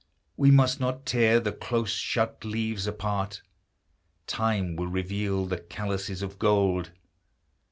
We must not tear the close shut leaves apart, Time will reveal the calyces of gold.